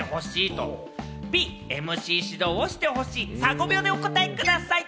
５秒でお答えください。